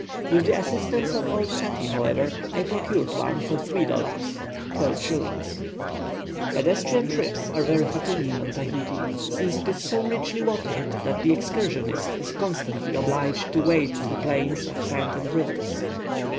With the assistance of old Tati, however, I procured one for three dollars (12s.). Pedestrian trips are very fatiguing in Tahiti, since it is so richly watered that the excursionist is constantly obliged to wade through plains of sand and rivers.